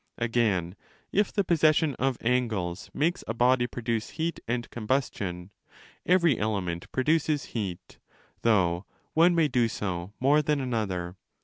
Again, if the possession of angles makes a body produce 15 heat and combustion, every element produces heat, though one may do so more than another.